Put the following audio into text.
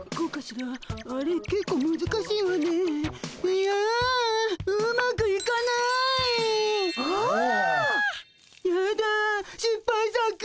やだしっぱい作。